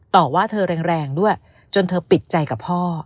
ต่อว่าเธอแรงด้วยจนเธอปิดใจกับพ่อ